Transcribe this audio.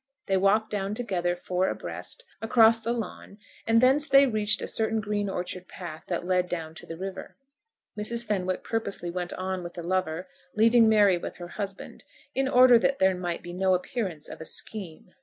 They walked down together, four abreast, across the lawn, and thence they reached a certain green orchard path that led down to the river. Mrs. Fenwick purposely went on with the lover, leaving Mary with her husband, in order that there might be no appearance of a scheme.